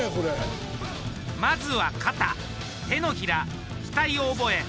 まずは肩、手のひら、額を覚え